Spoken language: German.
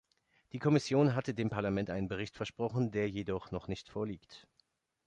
Die Kommission hatte dem Parlament einen Bericht versprochen, der jedoch noch nicht vorliegt.